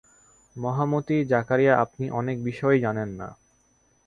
মহামতি জাকারিয়া আপনি অনেক বিষয়ই জানেন না।